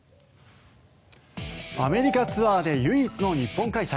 アメリカツアーで唯一の日本開催。